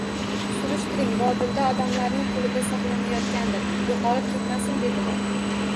Surishtiring, Vodilda odamlarning qo’lida saqlanayotgandir, yo’qolib ketmasin, –dedilar.